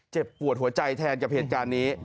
ปวดหัวใจแทนกับเหตุการณ์นี้